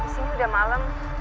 di sini udah malem